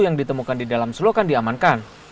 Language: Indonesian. yang ditemukan di dalam selokan diamankan